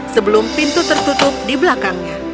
sebelum pintu tertutup di belakangnya